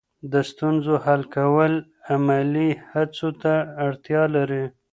د ستونزو حل کول عملي هڅو ته اړتیا لري.